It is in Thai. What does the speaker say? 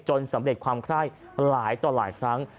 จนสำเร็จความคล่ายหลายต่อหลายครั้ง